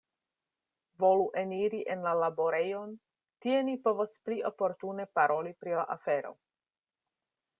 Volu eniri en la laborejon; tie ni povos pli oportune paroli pri la afero.